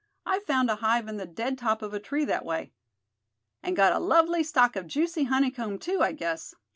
I've found a hive in the dead top of a tree that way." "And got a lovely stock of juicy honeycomb too, I guess?"